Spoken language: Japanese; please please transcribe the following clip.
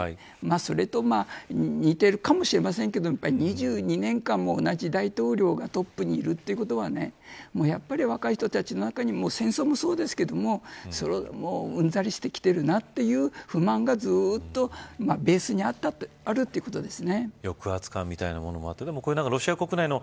それと似ているかもしれませんけど２２年間も同じ大統領がトップにいるということはやはり、若い人たちの中には戦争もそうですがうんざりしてきているなという不満がずっとベースにあるということです。